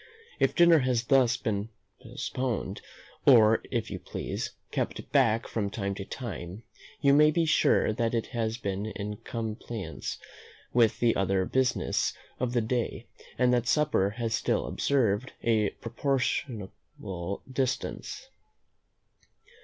If dinner has been thus postponed, or, if you please, kept back from time to time, you may be sure that it has been in compliance with the other business of the day, and that supper has still observed a proportionable distance.